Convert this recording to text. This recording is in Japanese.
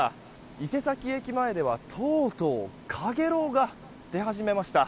伊勢崎駅前ではとうとうかげろうが出始めました。